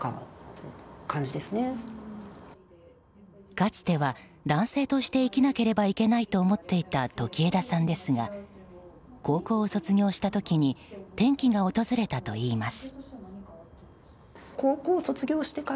かつては男性として生きなければいけないと思っていた時枝さんですが高校を卒業した時に転機が訪れたといいます。